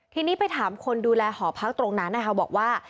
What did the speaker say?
ทีนี้ไปถามคนดูแลหอพักตรงนั้นนะคะบอกว่า